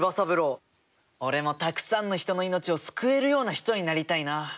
俺もたっくさんの人の命を救えるような人になりたいな。